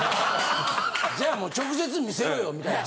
じゃあもう直接観せろよみたいなね。